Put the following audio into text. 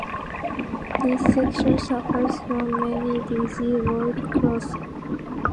This section suffers from many busy road crossings.